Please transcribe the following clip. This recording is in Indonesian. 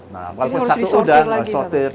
nah walaupun satu udang shorted